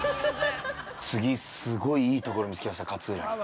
◆次、すごいいいところ見つけました、勝浦に。